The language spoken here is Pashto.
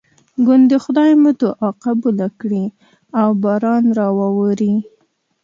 ګوندې خدای مو دعا قبوله کړي او باران راواوري.